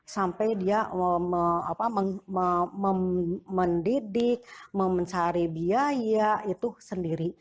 sampai dia mendidik mencari biaya itu sendiri